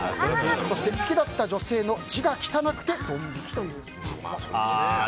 そして、好きだった女性の字が汚くてドン引きという。